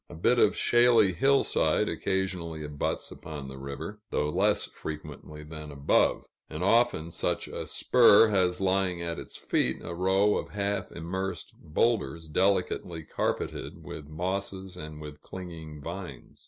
A bit of shaly hillside occasionally abuts upon the river, though less frequently than above; and often such a spur has lying at its feet a row of half immersed boulders, delicately carpeted with mosses and with clinging vines.